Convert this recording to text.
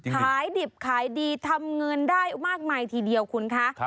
ขายดิบขายดีทำเงินได้มากมายทีเดียวคุณคะ